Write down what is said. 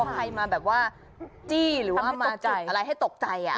ใครมาแบบว่าจี้หรือว่ามาจุดอะไรให้ตกใจ